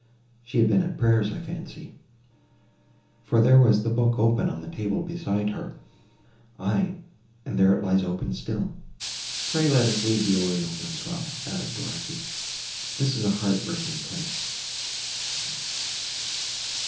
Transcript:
She had been at prayers, I fancy, for there was the book open on the table beside her—aye, and there it lies open still! Pray, let us leave the oriel, ma'amselle," added Dorothée, "this is a heart breaking place!"